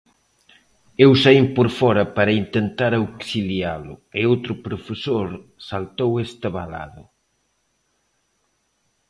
Eu saín por fóra para intentar auxilialo e outro profesor saltou este valado.